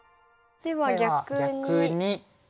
では逆に。